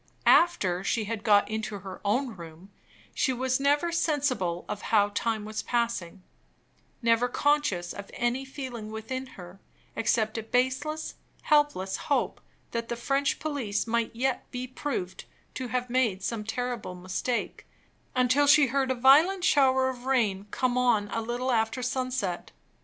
After she had got into her own room, she was never sensible of how time was passing never conscious of any feeling within her, except a baseless, helpless hope that the French police might yet be proved to have made some terrible mistake until she heard a violent shower of rain come on a little after sunset.